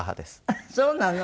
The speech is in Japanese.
あっそうなの？